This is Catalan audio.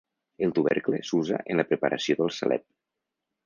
El tubercle s'usa en la preparació del salep.